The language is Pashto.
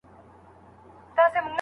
هغوی خپلي تېروتنې بیا نه تکراروي.